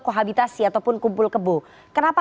kohabitasi ataupun kumpul kebo kenapa